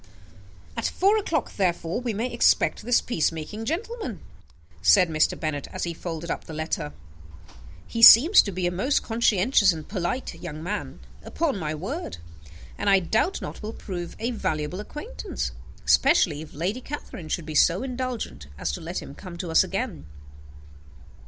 "At four o'clock, therefore, we may expect this peace making gentleman," said Mr. Bennet, as he folded up the letter. "He seems to be a most conscientious and polite young man, upon my word; and, I doubt not, will prove a valuable acquaintance, especially if Lady Catherine should be so indulgent as to let him come to us again."